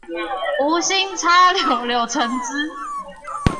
無心插柳柳橙汁